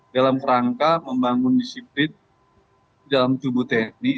dalam rangka membangun disiplin dalam tubuh tni